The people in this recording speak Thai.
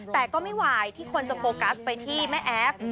แต่ก็ไม่ไหวที่คนจะโฟกัสไปที่แม่แอฟ